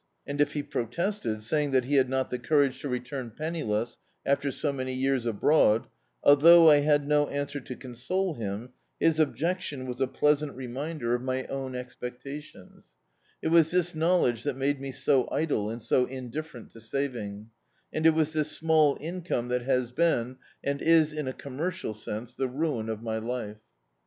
And if be protested, saying that he had not the courage to return penniless after so many years abroad, although I had no answer to console him, his objcctirai was a pleasant reminder of my own [>57] D,i.,.db, Google The Autobiography of a Super Tramp e^>ectatioDS. It was this knowledge that made me so idle and so indifferent to saving; and it was this small income that has been, and is in a commercial sense, the ruin of my life.